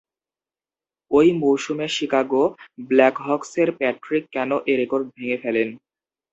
ঐ মৌসুমে শিকাগো ব্ল্যাকহকসের প্যাট্রিক কেন এ রেকর্ড ভেঙ্গে ফেলেন।